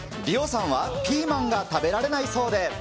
ＲＩＯさんは、ピーマンが食べられないそうで。